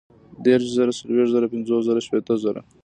دېرش زره ، څلوېښت زره ، پنځوس زره ، شپېته زره